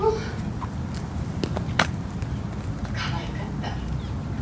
かわいかった。